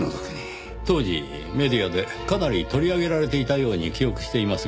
当時メディアでかなり取り上げられていたように記憶していますが。